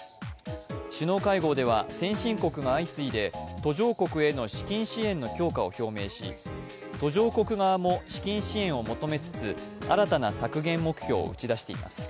首脳会合では先進国が相次いで途上国への資金支援の強化を表明し途上国側も資金支援を求めつつ新たな削減目標を打ち出しています。